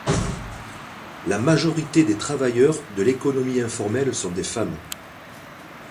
La majorité des travailleurs de l'économie informelle sont des femmes.